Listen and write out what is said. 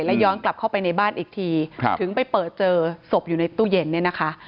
แล้วย้อนกลับเข้าไปในบ้านอีกทีถึงไปเปิดเจอศพอยู่ในตู้เย็นเนี่ยนะคะ